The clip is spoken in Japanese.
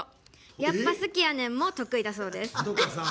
「やっぱ好きやねん」も得意だそうです。